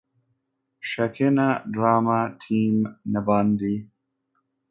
Shekina Drama Team n’abandi